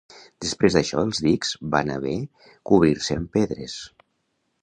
Després d'això els dics van haver cobrir-se amb pedres.